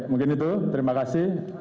mungkin itu terima kasih